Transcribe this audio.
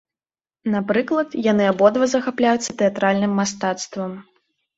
Напрыклад, яны абодва захапляюцца тэатральным мастацтвам.